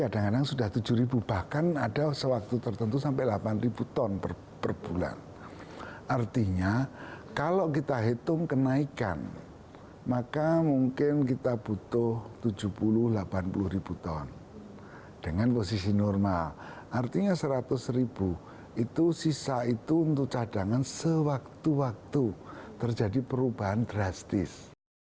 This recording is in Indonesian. dengan posisi normal artinya seratus ribu itu sisa itu untuk cadangan sewaktu waktu terjadi perubahan drastis